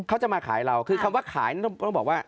เขาจะมาขายเราคือคำว่าขายต้องบอกว่า